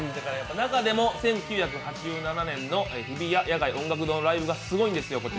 中でも１９８７年の日比谷野外音楽堂ライブがすごいんですよ。